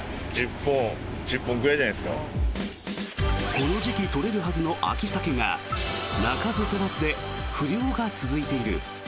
この時期取れるはずの秋サケが鳴かず飛ばずで不漁が続いている。